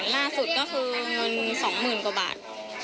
ล่าสุดก็คือเงินสองหมื่นกว่าบาท